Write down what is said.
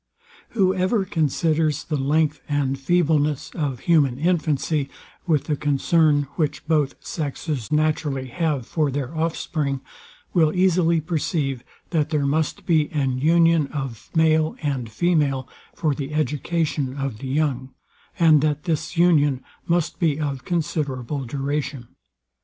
Whoever considers the length and feebleness of human infancy, with the concern which both sexes naturally have for their offspring, will easily perceive, that there must be an union of male and female for the education of the young, and that this union must be of considerable duration.